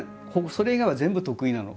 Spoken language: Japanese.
それ以外は全部得意なの。